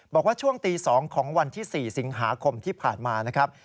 บอกว่าช่วงตี๒ของวันที่๔สิงหาคมที่ผ่านมานะครับ